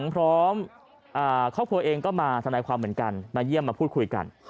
พร้อมครอบครัวเองก็มาทนายความเหมือนกันมาเยี่ยมมาพูดคุยกัน